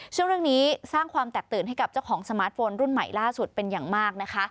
ช่วงนี้สร้างความแตกตื่นให้กับเจ้าของสมาร์ทโฟนรุ่นใหม่ล่าสุดเป็นอย่างมากนะคะ